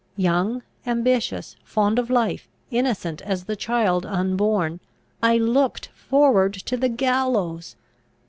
Young, ambitious, fond of life, innocent as the child unborn, I looked forward to the gallows!